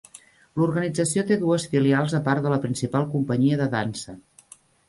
L'organització té dues filials a part de la principal companyia de dansa.